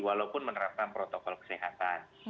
walaupun menerapkan protokol kesehatan